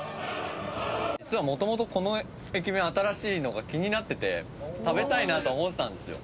実はもともとこの駅弁新しいのが気になってて食べたいなとは思ってたんですよ。